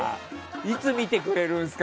いつ見てくれるんですか？